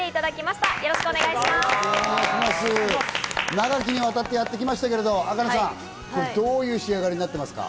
長きにわたってやって来ましたがａｋａｎｅさんどういう仕上がりになってますか？